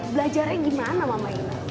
belajarnya gimana mama ina